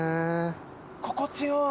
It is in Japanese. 心地よい。